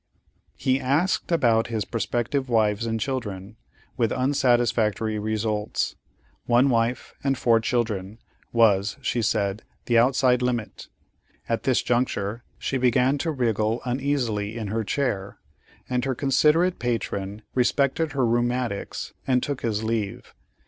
He asked about his prospective wives and children, with unsatisfactory results. One wife and four children was, she said, the outside limit. At this juncture she began to wriggle uneasily in her chair, and her considerate patron respected her "rheumatics" and took his leave.